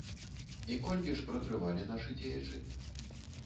І колькі ж пратрывалі нашы дзеячы?